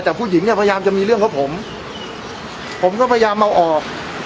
แต่ผู้หญิงเนี่ยพยายามจะมีเรื่องของผมผมก็พยายามเอาออก